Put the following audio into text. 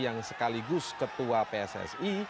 yang sekaligus ketua pssi